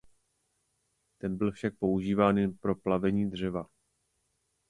Ten byl však používán jen pro plavení dřeva.